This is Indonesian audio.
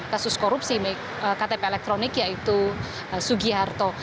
kasus korupsi ktp elektronik yaitu sugiharto